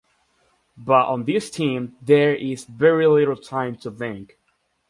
But on this team there is very little time to think.